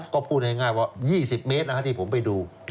ก็พูดง่ายว่า๒๐เมตรที่ผมไปดู